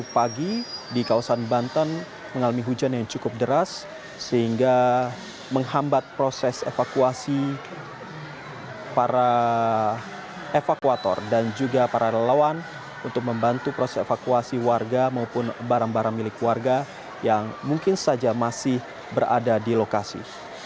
pagi di kawasan banten mengalami hujan yang cukup deras sehingga menghambat proses evakuasi para evakuator dan juga para lawan untuk membantu proses evakuasi warga maupun barang barang milik warga yang mungkin saja masih berada di lokasi